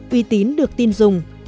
uy tín được tin dùng